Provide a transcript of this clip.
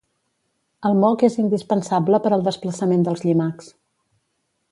El moc és indispensable per al desplaçament dels llimacs